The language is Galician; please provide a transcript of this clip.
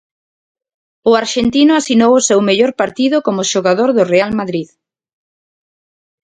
O arxentino asinou o seu mellor partido como xogador do Real Madrid.